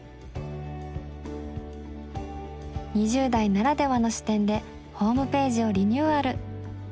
２０代ならではの視点でホームページをリニューアル。